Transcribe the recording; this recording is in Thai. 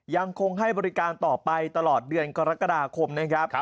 ยังคงให้บริการต่อไปตลอดเดือนกรกฎาคมนะครับ